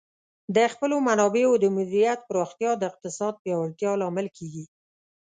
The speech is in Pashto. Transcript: د خپلو منابعو د مدیریت پراختیا د اقتصاد پیاوړتیا لامل کیږي.